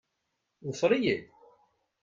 Ḍfeṛ-iyi-d.